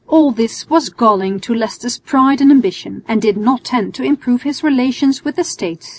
All this was galling to Leicester's pride and ambition, and did not tend to improve his relations with the States.